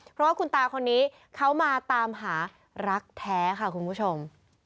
เพราะว่าคุณตาคนนี้เขามาตามหารักแท้ค่ะคุณผู้ชม